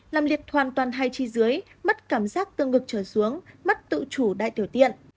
làm liệt hoàn toàn hai chi dưới mất cảm giác tương ngực trở xuống mất tự chủ đại tiểu tiện